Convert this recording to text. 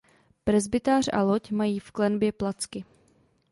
Presbytář a loď mají v klenbě placky.